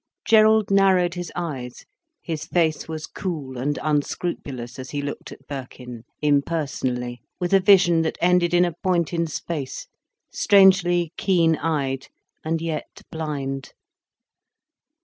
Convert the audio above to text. Gerald narrowed his eyes, his face was cool and unscrupulous as he looked at Birkin, impersonally, with a vision that ended in a point in space, strangely keen eyed and yet blind.